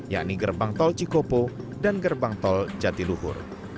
yakni gerbang tol cikopo dan gerbang tol jatiluhur